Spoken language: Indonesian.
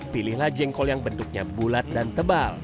pilihlah jengkol yang bentuknya bulat dan tebal